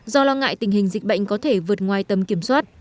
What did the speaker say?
do lo ngại tình hình dịch bệnh có thể vượt ngoài tầm kiểm soát